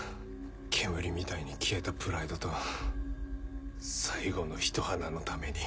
煙みたいに消えたプライドと最後のひと花のために